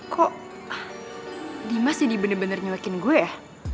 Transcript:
kok dima sih di bener bener nyelekin gue ya